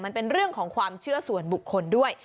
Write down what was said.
มันเป็นเรื่องของความเชื่อส่วนบุคคลด้วย